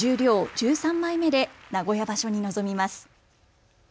１３枚目で名古屋場所に臨みます。